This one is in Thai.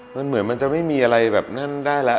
มันเหมือนมันจะไม่มีอะไรแบบนั้นได้แล้ว